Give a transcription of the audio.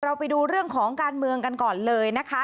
ไปดูเรื่องของการเมืองกันก่อนเลยนะคะ